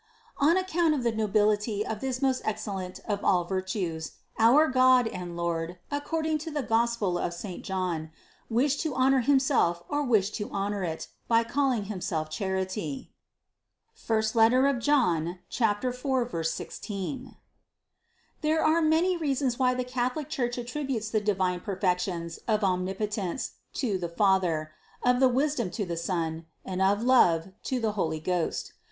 On account of the nobility of this most excellent of all virtues, our God and Lord, according to the Gos pel of St. John, wished to honor Himself or wished to honor it, by calling Himself Charity (I John 4, 16). There are many reasons why the Catholic Church attrib utes the divine perfections of omnipotence to the Fa ther, of wisdom to the Son, and of love to the Holy Ghost.